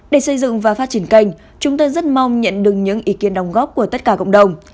để xây dựng và phát triển kênh chúng tôi rất mong nhận được những ý kiến đồng góp của tất cả cộng đồng